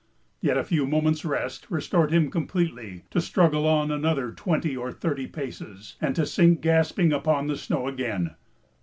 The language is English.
Yet a few moments' rest restored him completely, to struggle on another twenty or thirty paces and to sink gasping upon the snow again.